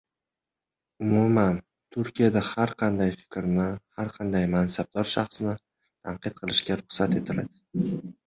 Umuman, Turkiyada har qanday fikrni, har qanday mansabdor shaxsni tanqid qilishga ruxsat etiladi.